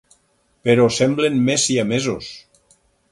Però semblen més siamesos.